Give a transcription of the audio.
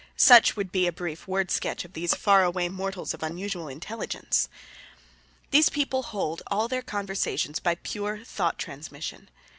Such would be a brief word sketch of these far away mortals of unusual intelligence. These people hold all their conversation by pure thought transmission.